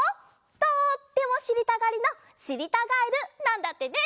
とってもしりたがりのしりたガエルなんだってね。